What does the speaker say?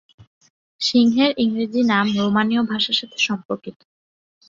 সিংহের ইংরাজি নাম রোমাণীয় ভাষার সাথে সম্পর্কিত।